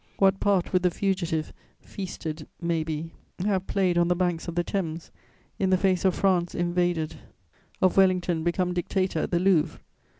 What part would the fugitive, feasted may be, have played on the banks of the Thames, in the face of France invaded, of Wellington become dictator at the Louvre?